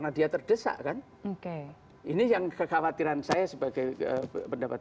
atau ernesto k balloons desmond shirley bekas pesawat